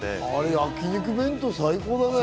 焼肉弁当、最高だね。